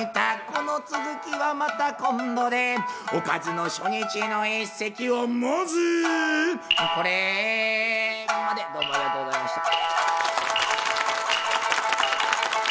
この続きはまた今度で「おかずの初日」の一席をまずこれまでどうもありがとうございました。